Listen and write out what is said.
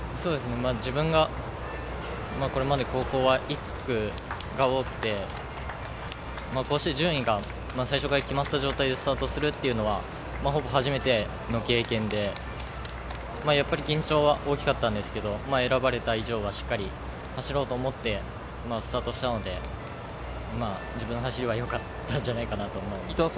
自分はこれまで、高校は１区が多くてこうやって順位が最初から決まった状態でスタートするっていうのは、ほぼ初めての経験で、緊張は大きかったんですけど、選ばれた以上はしっかり走ろうと思ってスタートしたので、自分の走りはよかったんじゃないかなと思います。